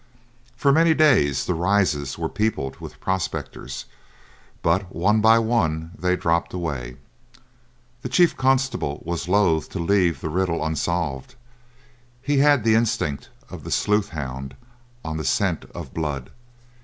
For many days the Rises were peopled with prospectors, but one by one they dropped away. The chief constable was loath to leave the riddle unsolved; he had the instinct of the sleuth hound on the scent of blood.